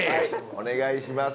お願いします。